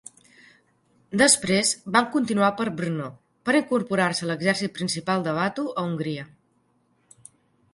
Després, van continuar per Brno, per incorporar-se a l"exèrcit principal de Batu a Hongria.